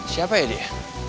siapa ya dia